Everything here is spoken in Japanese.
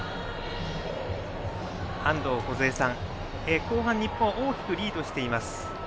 安藤梢さん、日本は大きくリードしています。